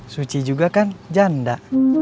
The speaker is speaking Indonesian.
suci juga kan janda